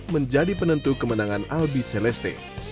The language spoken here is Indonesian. menjadi penentu kemenangan albi celeste